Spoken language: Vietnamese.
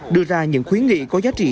đưa ra những khuyến nghị có giá trị